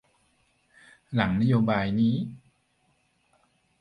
หลังนโยบายนี้